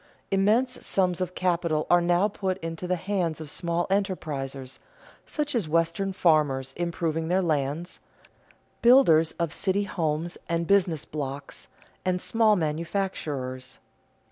Immense sums of capital are now put into the hands of small enterprisers, such as Western farmers improving their lands, builders of city homes and business blocks, and small manufacturers.